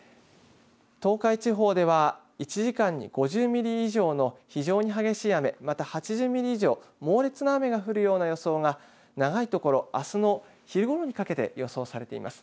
東海地方では１時間に５０ミリ以上の非常に激しい雨、また８０ミリ以上、猛烈な雨が降るような予想が長いところあすの昼ごろにかけて予想されています。